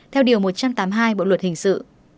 theo điều một trăm tám mươi hai bộ luật hình sự